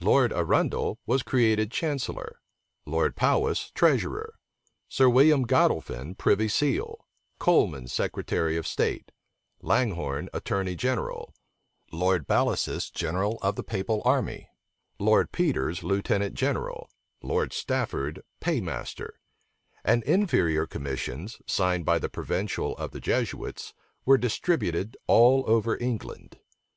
Lord Arundel was created chancellor, Lord Powis treasurer, Sir William Godolphin privy seal, Coleman secretary of state, Langhorne attorney general, Lord Bellasis general of the papal army, Lord Peters lieutenant general, Lord Stafford paymaster; and inferior commissions, signed by the provincial of the Jesuits, were distributed all over England.